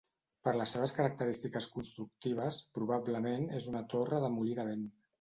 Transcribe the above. Per les seves característiques constructives probablement és una torre de molí de vent.